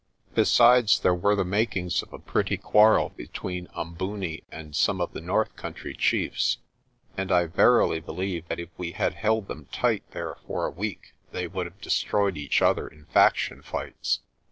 Besides, there were the makings of a pretty quarrel between Umbooni and some of the north country chiefs, and I verily believe that if we had held them tight there for a week they would have destroyed each other in faction fights.